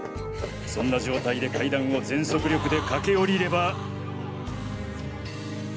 そんな状態で階段を全速力で駆け下りれば。